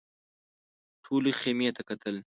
ټولو خيمې ته کتل.